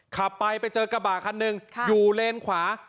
ขับไปไปเจอกระบะคันหนึ่งอยู่เลนขวา